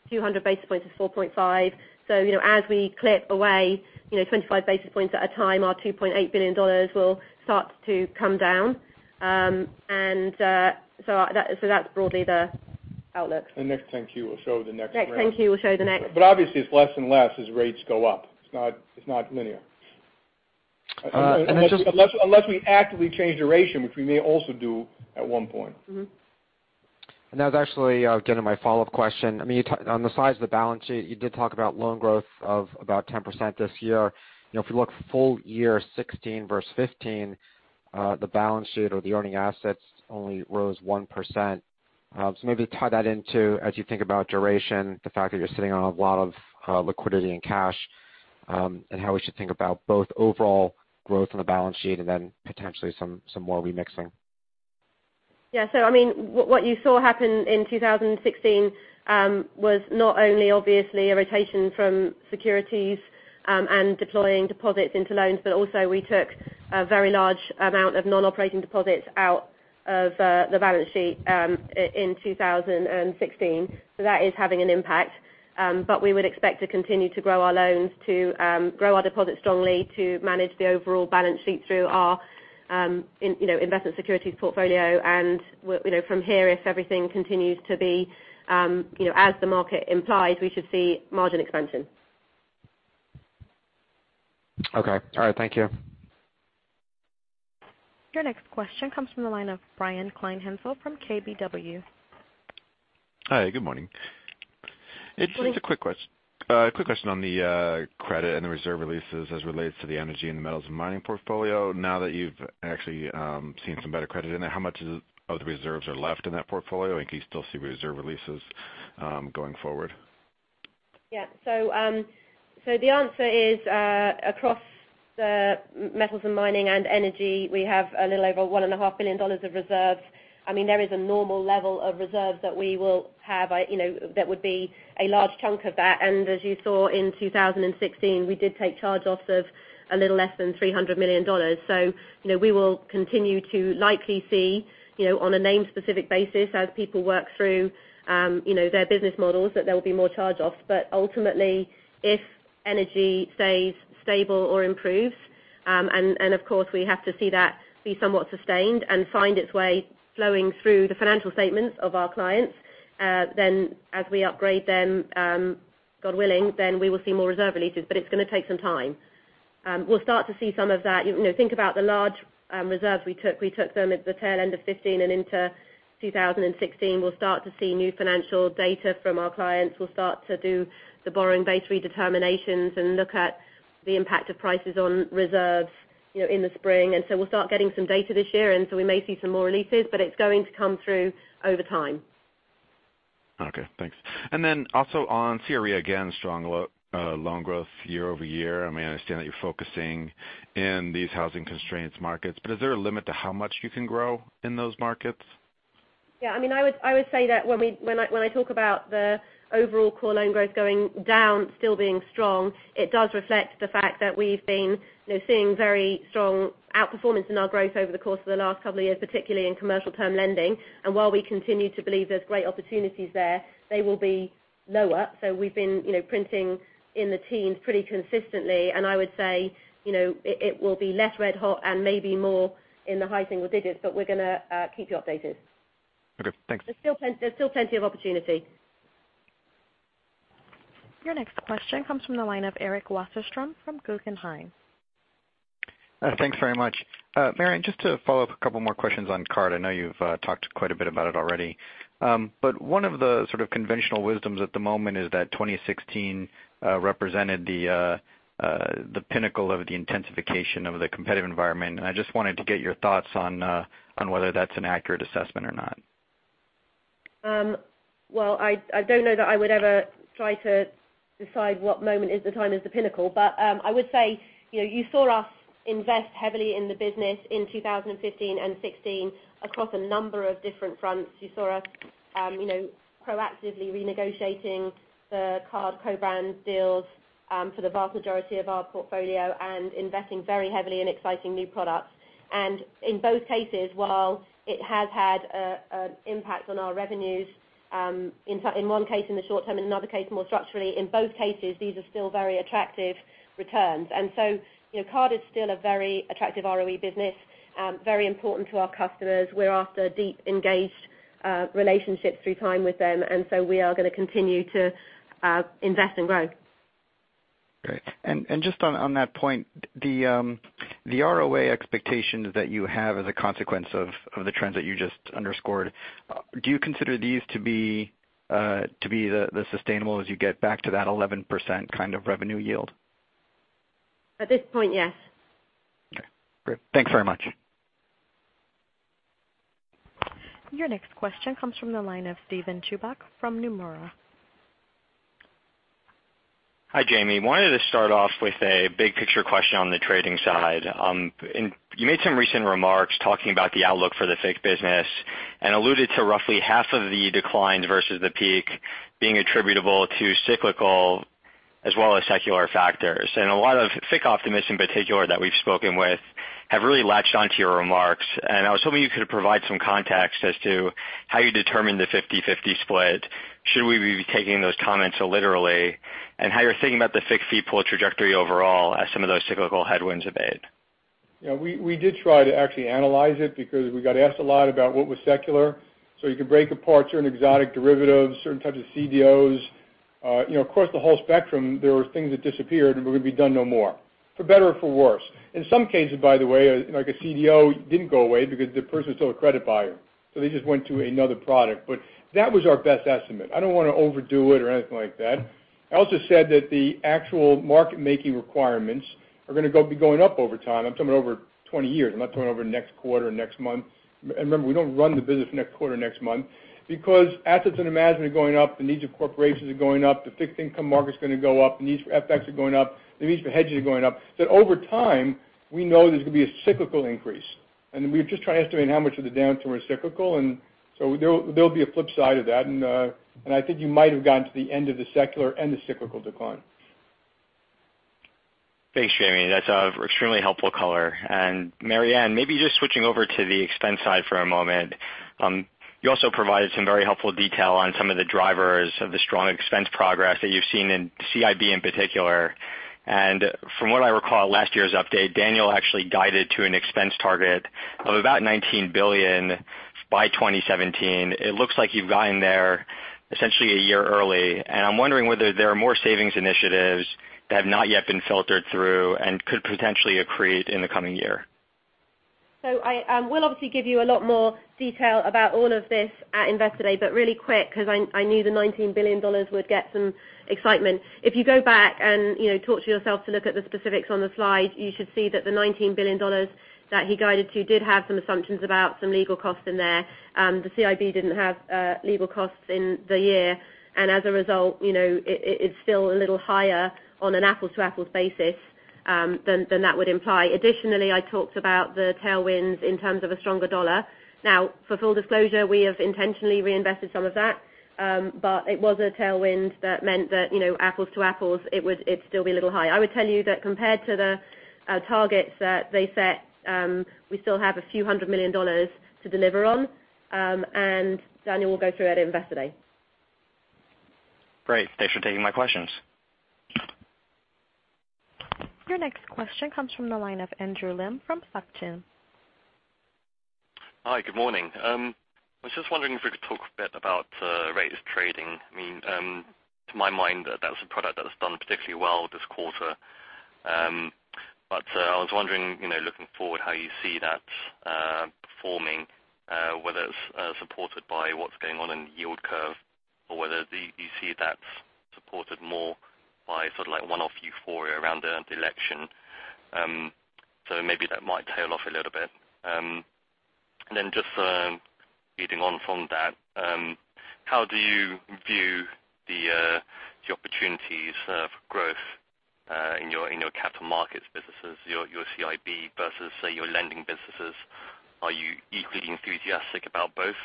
200 basis points is 4.5. As we clip away 25 basis points at a time, our $2.8 billion will start to come down. That's broadly the outlook. The next 10-Q will show the next round. Next 10-Q will show the next. Obviously it's less and less as rates go up. It's not linear. And then just- Unless we actively change duration, which we may also do at one point. That was actually again my follow-up question. On the size of the balance sheet, you did talk about loan growth of about 10% this year. If you look full year 2016 versus 2015, the balance sheet or the earning assets only rose 1%. Maybe tie that into, as you think about duration, the fact that you're sitting on a lot of liquidity and cash, and how we should think about both overall growth on the balance sheet and then potentially some more remixing. Yeah. What you saw happen in 2016, was not only obviously a rotation from securities and deploying deposits into loans, but also we took a very large amount of non-operating deposits out of the balance sheet in 2016. That is having an impact. We would expect to continue to grow our loans, to grow our deposits strongly, to manage the overall balance sheet through our investment securities portfolio. From here, if everything continues to be as the market implies, we should see margin expansion. Okay. All right. Thank you. Your next question comes from the line of Brian Kleinhanzl from KBW. Hi. Good morning. Please- It's a quick question on the credit and the reserve releases as relates to the energy and the metals and mining portfolio. Now that you've actually seen some better credit in there, how much of the reserves are left in that portfolio, and can you still see reserve releases going forward? Yeah. The answer is, across the metals and mining and energy, we have a little over $1.5 billion of reserves. There is a normal level of reserves that we will have that would be a large chunk of that. As you saw in 2016, we did take charge-offs of a little less than $300 million. We will continue to likely see on a name-specific basis as people work through their business models, that there will be more charge-offs. Ultimately, if energy stays stable or improves, and of course we have to see that be somewhat sustained and find its way flowing through the financial statements of our clients, then as we upgrade them, God willing, we will see more reserve releases, but it's going to take some time. We'll start to see some of that. Think about the large reserves we took. We took them at the tail end of 2015 and into 2016. We'll start to see new financial data from our clients. We'll start to do the borrowing base redeterminations and look at the impact of prices on reserves in the spring. We'll start getting some data this year, and so we may see some more releases, but it's going to come through over time. Okay. Thanks. Also on CRE, again, strong loan growth year-over-year. I understand that you're focusing in these housing constraints markets, is there a limit to how much you can grow in those markets? Yeah. I would say that when I talk about the overall core loan growth going down, still being strong, it does reflect the fact that we've been seeing very strong outperformance in our growth over the course of the last couple of years, particularly in commercial term lending. While we continue to believe there's great opportunities there, they will be lower. We've been printing in the teens pretty consistently, and I would say it will be less red hot and maybe more in the high single digits, we're going to keep you updated. Okay, thanks. There's still plenty of opportunity. Your next question comes from the line of Eric Wasserstrom from Guggenheim. Thanks very much. Marianne, just to follow up a couple more questions on card. I know you've talked quite a bit about it already. One of the sort of conventional wisdoms at the moment is that 2016 represented the pinnacle of the intensification of the competitive environment, and I just wanted to get your thoughts on whether that's an accurate assessment or not. Well, I don't know that I would ever try to decide what moment is the time is the pinnacle. I would say, you saw us invest heavily in the business in 2015 and 2016 across a number of different fronts. You saw us proactively renegotiating the card co-brand deals for the vast majority of our portfolio and investing very heavily in exciting new products. In both cases, while it has had an impact on our revenues, in one case in the short term, in another case more structurally, in both cases, these are still very attractive returns. Card is still a very attractive ROE business, very important to our customers. We're after deep, engaged relationships through time with them. We are going to continue to invest and grow. Great. Just on that point, the ROA expectations that you have as a consequence of the trends that you just underscored, do you consider these to be the sustainable as you get back to that 11% kind of revenue yield? At this point, yes. Okay. Great. Thanks very much. Your next question comes from the line of Steven Chubak from Nomura. Hi, Jamie. Wanted to start off with a big picture question on the trading side. You made some recent remarks talking about the outlook for the FICC business and alluded to roughly half of the declines versus the peak being attributable to cyclical as well as secular factors. A lot of FICC optimists, in particular, that we've spoken with have really latched onto your remarks. I was hoping you could provide some context as to how you determine the 50/50 split. Should we be taking those comments literally? How you're thinking about the FICC fee pool trajectory overall as some of those cyclical headwinds abate. We did try to actually analyze it because we got asked a lot about what was secular. You could break apart certain exotic derivatives, certain types of CDOs. Across the whole spectrum, there were things that disappeared and were going to be done no more, for better or for worse. In some cases, by the way, like a CDO, didn't go away because the person's still a credit buyer. They just went to another product. That was our best estimate. I don't want to overdo it or anything like that. I also said that the actual market-making requirements are going to be going up over time. I'm talking over 20 years. I'm not talking over next quarter or next month. Remember, we don't run the business next quarter, next month. Assets under management are going up, the needs of corporations are going up, the fixed income market's going to go up, the needs for FX are going up, the needs for hedges are going up. Over time, we know there's going to be a cyclical increase. We are just trying to estimate how much of the downturn are cyclical, there'll be a flip side of that. I think you might have gotten to the end of the secular and the cyclical decline. Thanks, Jamie. That's extremely helpful color. Marianne, maybe just switching over to the expense side for a moment. You also provided some very helpful detail on some of the drivers of the strong expense progress that you've seen in CIB in particular. From what I recall at last year's update, Daniel actually guided to an expense target of about $19 billion by 2017. It looks like you've gotten there essentially a year early, and I'm wondering whether there are more savings initiatives that have not yet been filtered through and could potentially accrete in the coming year. I will obviously give you a lot more detail about all of this at Investor Day, really quick because I knew the $19 billion would get some excitement. If you go back and talk to yourself to look at the specifics on the slide, you should see that the $19 billion that he guided to did have some assumptions about some legal costs in there. The CIB didn't have legal costs in the year. As a result, it's still a little higher on an apples-to-apples basis than that would imply. Additionally, I talked about the tailwinds in terms of a stronger dollar. For full disclosure, we have intentionally reinvested some of that. It was a tailwind that meant that apples to apples, it'd still be a little high. I would tell you that compared to the targets that they set, we still have a few hundred million dollars to deliver on. Daniel will go through it at Investor Day. Great. Thanks for taking my questions. Your next question comes from the line of Andrew Lim from Société Generale Hi, good morning. I was just wondering if we could talk a bit about rates trading. To my mind, that was a product that has done particularly well this quarter. I was wondering, looking forward, how you see that performing whether it's supported by what's going on in the yield curve or whether you see that supported more by sort of like one-off euphoria around the election. Maybe that might tail off a little bit. Then just leading on from that, how do you view the opportunities for growth in your capital markets businesses, your CIB versus, say, your lending businesses? Are you equally enthusiastic about both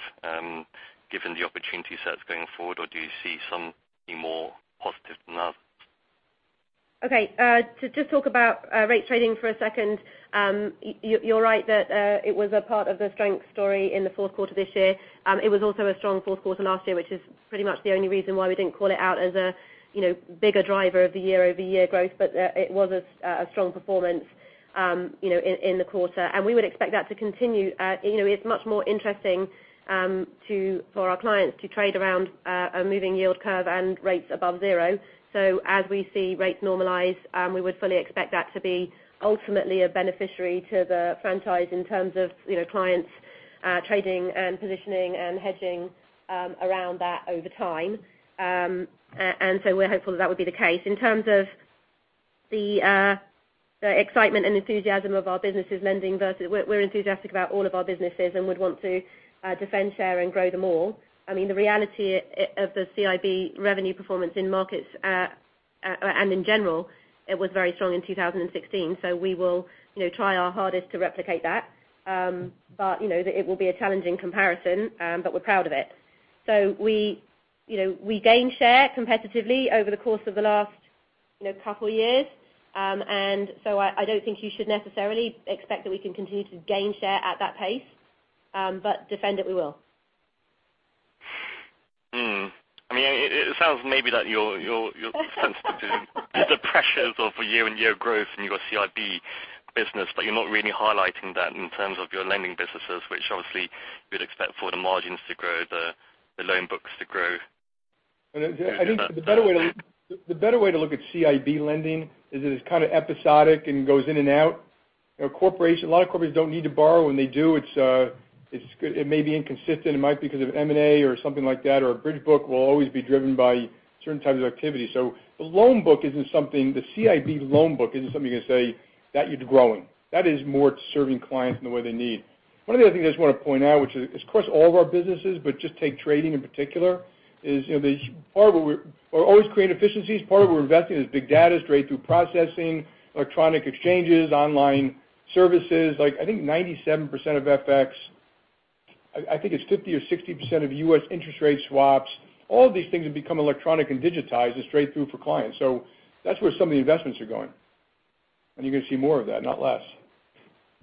given the opportunity sets going forward, or do you see some being more positive than others? Okay. To just talk about rates trading for a second. You're right that it was a part of the strength story in the fourth quarter this year. It was also a strong fourth quarter last year, which is pretty much the only reason why we didn't call it out as a bigger driver of the year-over-year growth. It was a strong performance in the quarter, and we would expect that to continue. It's much more interesting for our clients to trade around a moving yield curve and rates above zero. As we see rates normalize, we would fully expect that to be ultimately a beneficiary to the franchise in terms of clients trading and positioning and hedging around that over time. We're hopeful that would be the case. In terms of the excitement and enthusiasm of our businesses lending, we're enthusiastic about all of our businesses and would want to defend, share, and grow them all. The reality of the CIB revenue performance in markets and in general, it was very strong in 2016. We will try our hardest to replicate that. It will be a challenging comparison, but we're proud of it. We gained share competitively over the course of the last couple of years. I don't think you should necessarily expect that we can continue to gain share at that pace. Defend it we will. It sounds maybe that you're sensitive to the pressures of year-on-year growth in your CIB business, but you're not really highlighting that in terms of your lending businesses, which obviously you'd expect for the margins to grow, the loan books to grow. I think the better way to look at CIB lending is that it's kind of episodic and goes in and out. A lot of corporations don't need to borrow. When they do, it may be inconsistent. It might be because of M&A or something like that, or a bridge book will always be driven by certain types of activities. The CIB loan book isn't something you can say that you're growing. That is more to serving clients in the way they need. One of the other things I just want to point out, which is across all of our businesses, but just take trading in particular, is we always create efficiencies. Part of what we're investing is big data, straight-through processing, electronic exchanges, online services. I think 97% of FX I think it's 50% or 60% of U.S. interest rate swaps. All of these things have become electronic and digitized as straight through for clients. That's where some of the investments are going. You're going to see more of that, not less.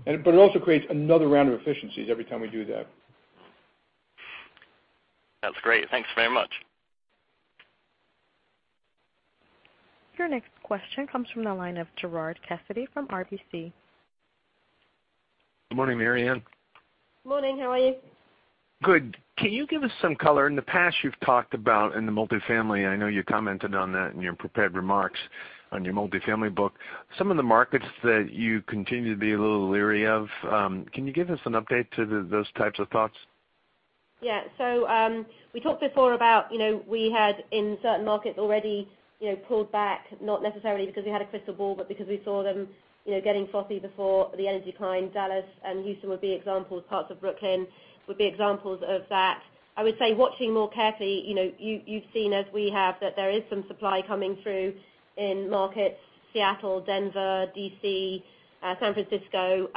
It also creates another round of efficiencies every time we do that. That's great. Thanks very much. Your next question comes from the line of Gerard Cassidy from RBC. Good morning, Marianne. Good morning. How are you? Good. Can you give us some color? In the past you've talked about in the multifamily, I know you commented on that in your prepared remarks on your multifamily book. Some of the markets that you continue to be a little leery of, can you give us an update to those types of thoughts? Yeah. We talked before about we had, in certain markets already pulled back, not necessarily because we had a crystal ball, but because we saw them getting frothy before the energy decline. Dallas and Houston would be examples. Parts of Brooklyn would be examples of that. I would say watching more carefully, you've seen as we have that there is some supply coming through in markets, Seattle, Denver, D.C., San Francisco.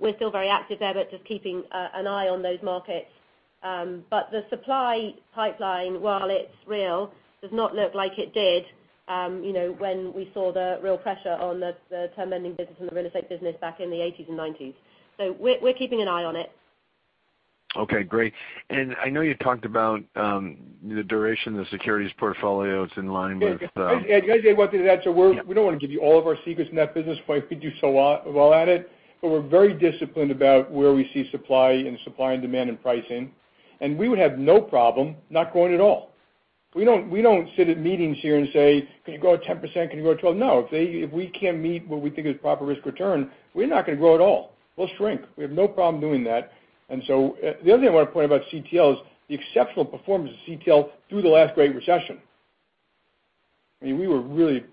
We're still very active there, but just keeping an eye on those markets. The supply pipeline, while it's real, does not look like it did when we saw the real pressure on the term lending business and the real estate business back in the '80s and '90s. We're keeping an eye on it. Okay, great. I know you talked about the duration of the securities portfolio. It's in line with- Yeah. Can I say one thing to that? Yeah. We don't want to give you all of our secrets in that business, why we do so well at it. We're very disciplined about where we see supply and demand in pricing. We would have no problem not growing at all. We don't sit at meetings here and say, "Can you grow at 10%? Can you grow at 12%?" No. If we can't meet what we think is proper risk return, we're not going to grow at all. We'll shrink. We have no problem doing that. The other thing I want to point about CTL is the exceptional performance of CTL through the last great recession. We were really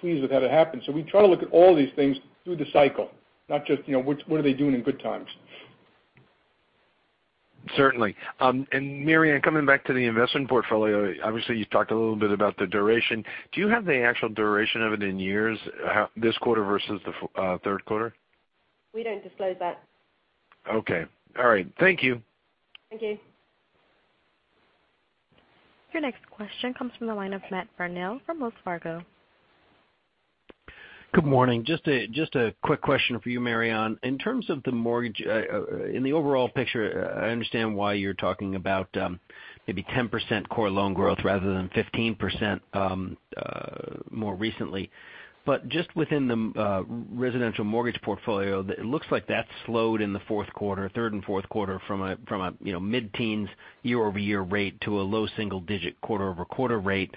pleased with how that happened. We try to look at all these things through the cycle, not just what are they doing in good times. Certainly. Marianne, coming back to the investment portfolio, obviously you talked a little bit about the duration. Do you have the actual duration of it in years, this quarter versus the third quarter? We don't disclose that. Okay. All right. Thank you. Thank you. Your next question comes from the line of Matt Burnell from Wells Fargo. Good morning. Just a quick question for you, Marianne. In terms of the mortgage, in the overall picture, I understand why you're talking about maybe 10% core loan growth rather than 15% more recently. Just within the residential mortgage portfolio, it looks like that slowed in the fourth quarter, third and fourth quarter from a mid-teens year-over-year rate to a low single digit quarter-over-quarter rate.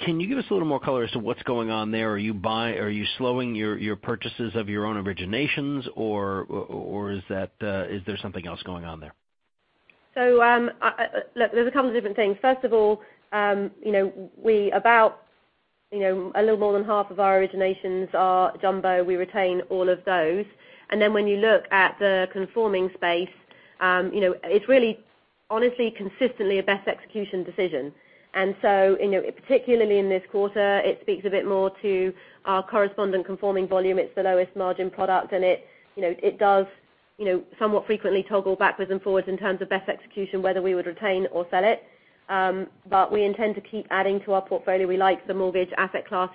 Can you give us a little more color as to what's going on there? Are you slowing your purchases of your own originations or is there something else going on there? Look, there's a couple of different things. First of all, a little more than half of our originations are jumbo. We retain all of those. When you look at the conforming space, it's really honestly consistently a best execution decision. Particularly in this quarter, it speaks a bit more to our correspondent conforming volume. It's the lowest margin product, and it does somewhat frequently toggle backwards and forwards in terms of best execution, whether we would retain or sell it. We intend to keep adding to our portfolio. We like the mortgage asset class.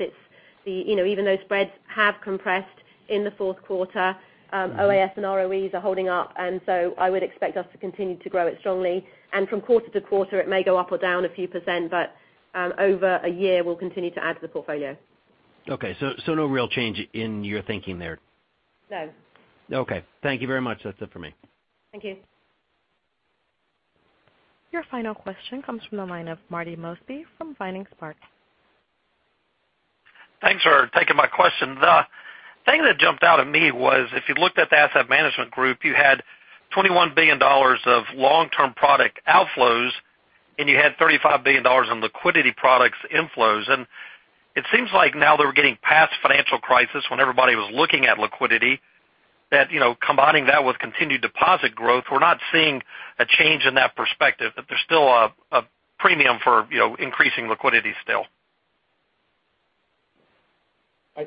Even though spreads have compressed in the fourth quarter, OAS and ROEs are holding up, and so I would expect us to continue to grow it strongly. From quarter to quarter it may go up or down a few percent. Over a year we'll continue to add to the portfolio. Okay. No real change in your thinking there? No. Okay. Thank you very much. That's it for me. Thank you. Your final question comes from the line of Marty Mosby from Vining Sparks. Thanks for taking my question. The thing that jumped out at me was if you looked at the Asset Management group, you had $21 billion of long-term product outflows. You had $35 billion in liquidity products inflows. It seems like now that we're getting past financial crisis when everybody was looking at liquidity, that combining that with continued deposit growth, we're not seeing a change in that perspective, that there's still a premium for increasing liquidity still.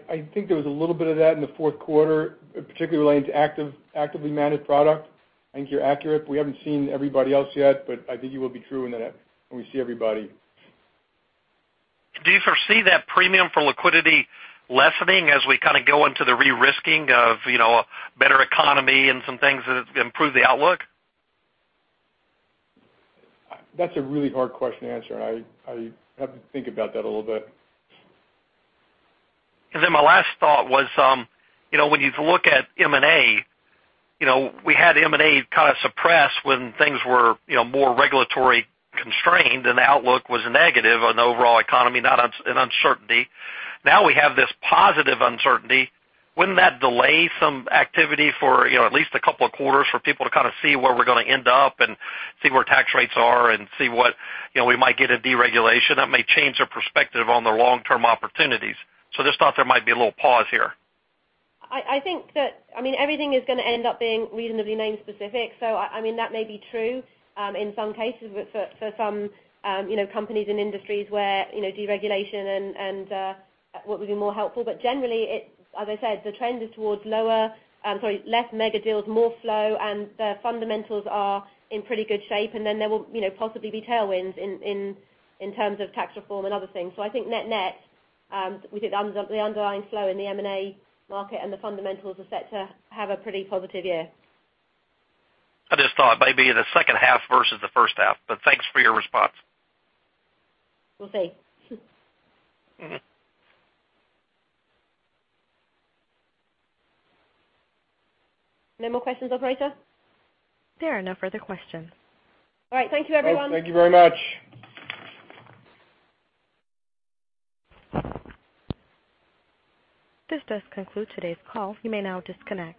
I think there was a little bit of that in the fourth quarter, particularly relating to actively managed product. I think you're accurate. We haven't seen everybody else yet, but I think you will be true in that when we see everybody. Do you foresee that premium for liquidity lessening as we kind of go into the re-risking of a better economy and some things that improve the outlook? That's a really hard question to answer, and I have to think about that a little bit. My last thought was when you look at M&A, we had M&A kind of suppressed when things were more regulatory constrained, and the outlook was negative on the overall economy, and uncertainty. Now we have this positive uncertainty. Wouldn't that delay some activity for at least a couple of quarters for people to kind of see where we're going to end up and see where tax rates are and see we might get a deregulation? That may change their perspective on their long-term opportunities. Just thought there might be a little pause here. I think that everything is going to end up being reasonably name specific. That may be true in some cases for some companies and industries where deregulation would be more helpful. Generally, as I said, the trend is towards less mega deals, more flow, and the fundamentals are in pretty good shape. There will possibly be tailwinds in terms of tax reform and other things. I think net-net, we think the underlying flow in the M&A market and the fundamentals are set to have a pretty positive year. I just thought maybe the second half versus the first half. Thanks for your response. We'll see. No more questions, operator? There are no further questions. All right. Thank you, everyone. Thank you very much. This does conclude today's call. You may now disconnect.